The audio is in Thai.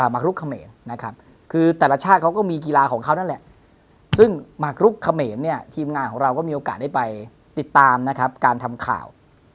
มาคลุกเขมรนะครับคือแต่ละชาติเขาก็มีกีฬาของเขานั่นแหละซึ่งหมากรุกเขมรเนี่ยทีมงานของเราก็มีโอกาสได้ไปติดตามนะครับการทำข่าว